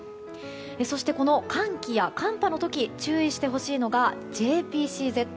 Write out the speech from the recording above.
そして寒気や寒波の時注意してほしいのがＪＰＣＺ。